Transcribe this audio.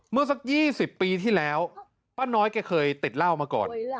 เมื่อสัก๒๐ปีที่แล้วป้าน้อยแกเคยติดเหล้ามาก่อน